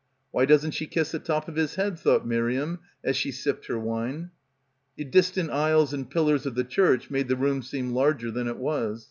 "Why doesn't she kiss the top of his head," thought Miriam as she sipped her wine. The distant aisles and pillars of the church made the room seem larger than it was.